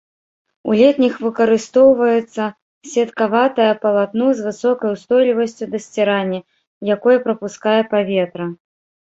У летніх выкарыстоўваецца сеткаватае палатно, з высокай устойлівасцю да сцірання, якое прапускае паветра.